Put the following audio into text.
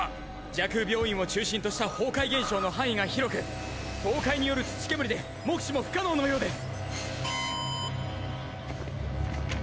蛇腔病院を中心とした崩壊現象の範囲が広く倒壊による土煙で目視も不可能のようです。